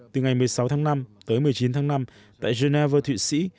từ ngày một mươi sáu tháng năm tới một mươi chín tháng năm tại geneva thụy sĩ